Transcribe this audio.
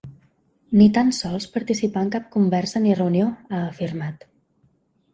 Ni tan sols participar en cap conversa ni reunió, ha afirmat.